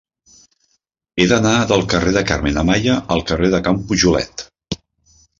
He d'anar del carrer de Carmen Amaya al carrer de Can Pujolet.